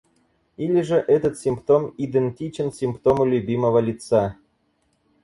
Или же этот симптом идентичен симптому любимого лица.